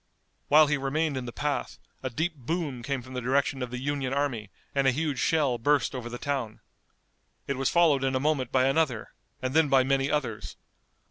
While he remained in the path a deep boom came from the direction of the Union army and a huge shell burst over the town. It was followed in a moment by another and then by many others.